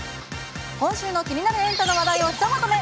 今週の気になるエンタの話題をひとまとめ。